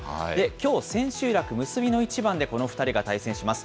きょう、千秋楽結びの一番でこの２人が対戦します。